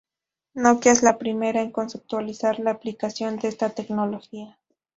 Nokia es la primera en conceptualizar la aplicación de esta tecnología.